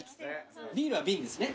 ビールは瓶ですね？